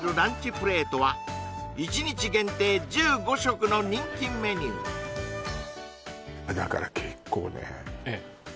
プレートは１日限定１５食の人気メニューだから結構ねええ